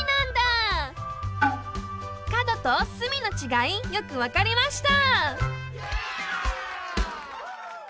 角と隅のちがいよくわかりました！